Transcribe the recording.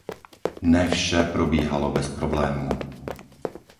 Ne vše probíhalo bez problémů.